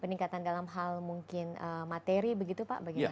peningkatan dalam hal mungkin materi begitu pak bagaimana